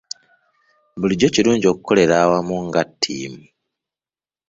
Bulijjo kirungi okukolera awamu nga ttiimu.